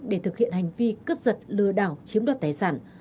để thực hiện hành vi cướp giật lừa đảo chiếm đoạt tài sản